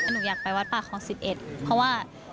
หนูอยากไปวัดป่าคลอง๑๑เพราะว่า